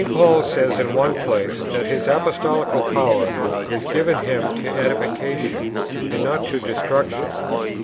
Paul says in one place that his Apostolical power is given him to edification, and not to destruction.